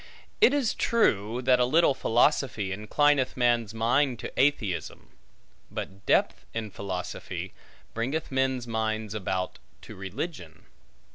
It is true, that a little philosophy inclineth man's mind to atheism; but depth in philosophy bringeth men's minds about to religion.